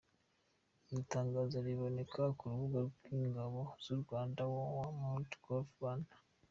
Iri tangazo riboneka ku rubuga ry’ ingabo z’ u Rwanda www.mod.gov.rw